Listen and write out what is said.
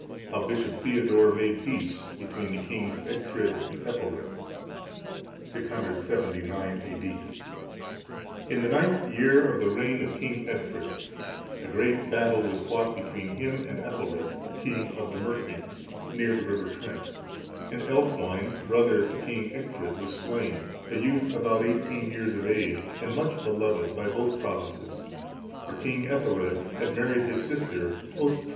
How Bishop Theodore made peace between the kings Egfrid and Ethelred. [679 A.D.] In the ninth year of the reign of King Egfrid, a great battle(674) was fought between him and Ethelred, king of the Mercians, near the river Trent, and Aelfwine,(675) brother to King Egfrid, was slain, a youth about eighteen years of age, and much beloved by both provinces; for King Ethelred had married his sister Osthryth.